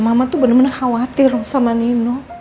mama tuh bener bener khawatir loh sama nino